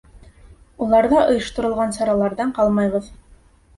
Уларҙа ойошторолған сараларҙан ҡалмайбыҙ.